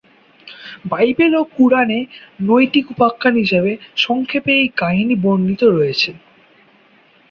Bible ও কুরআন এ নৈতিক উপাখ্যান হিসেবে সংক্ষেপে এই কাহিনী বর্ণিত রয়েছে।